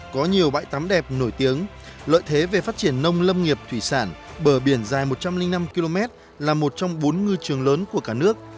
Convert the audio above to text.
có nhiều bãi tắm đẹp nổi tiếng lợi thế về phát triển nông lâm nghiệp thủy sản bờ biển dài một trăm linh năm km là một trong bốn ngư trường lớn của cả nước